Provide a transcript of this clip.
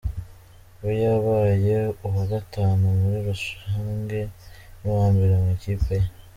We yabaye uwa gatanu muri rushange n’uwa mbere mu ikipe ye.